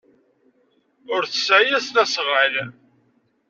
Ur tesɛi asnasɣal.